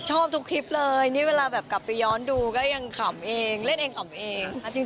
ชอบทุกคลิปเลยนี่เวลาแบบกลับไปย้อนดูก็ยังขำเองเล่นเองขำเอง